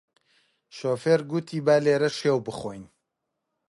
شۆفێر گوتی با لێرە شێو بخۆین